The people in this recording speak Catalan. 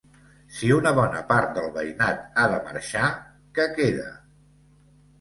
Si una bona part del veïnat ha de marxar, què queda?